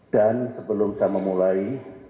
dan sebelum saya memulai